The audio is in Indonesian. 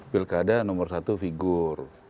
pilkada nomor satu figur